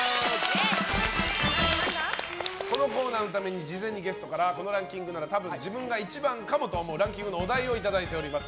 このコーナーのために事前にゲストからこのランキングならたぶん自分が１番かもと思うランキングのお題をいただいております。